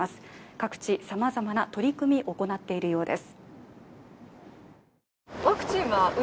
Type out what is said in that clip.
各地、さまざまな取り組み、行っているようです。